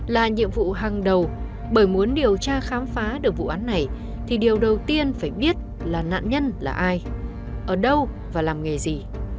là nhiệm vụ hàng đầu bởi muốn điều tra khám phá được vụ án này thì điều đầu tiên phải biết là nạn nhân là ai ở đâu và làm nghề gì